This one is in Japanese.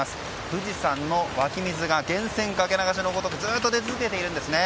富士山の湧き水が源泉かけ流しのごとくずっと出続けているんですね。